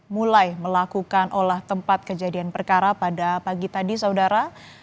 mulai melakukan olah tempat kejadian perkara pada pagi tadi saudara